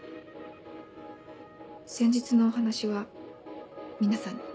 先日のお話は皆さんに？